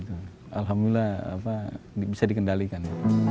itu alhamdulillah apa bisa dikendalikan